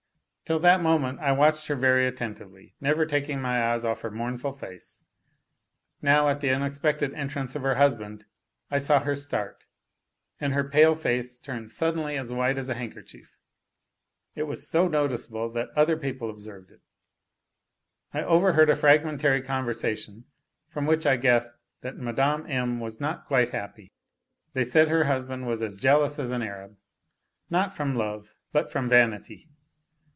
Till that moment I watched her very attentively, never taking my eyes off her mournful face ; now at the unexpected entrance of her husband I saw her start, and her pale face turned suddenly as white as a handkerchief. It was so noticeable that other people observed it. I overheard a fragmentary conversation from which I guessed that Mme. M. was not quite happy ; they said her husband was as jealous as an Arab, not from love, but from vanity.